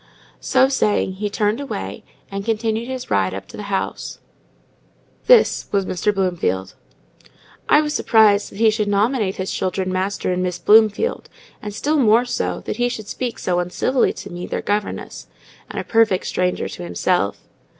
so saying, he turned away, and continued his ride up to the house. This was Mr. Bloomfield. I was surprised that he should nominate his children Master and Miss Bloomfield; and still more so, that he should speak so uncivilly to me, their governess, and a perfect stranger to himself.